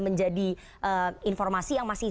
menjadi informasi yang masih